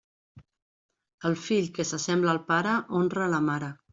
El fill que s'assembla al pare honra a la mare.